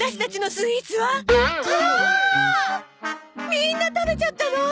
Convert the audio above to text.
みんな食べちゃったの？